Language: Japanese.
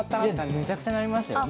めちゃくちゃなりましたよ。